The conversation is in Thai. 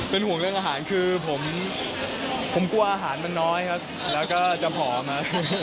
เป็นห่วงเรื่องอาหารคือผมกลัวอาหารมันน้อยครับแล้วก็จะผอมครับ